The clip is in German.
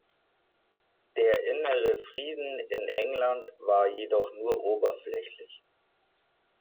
Der innere Frieden in England war jedoch nur oberflächlich.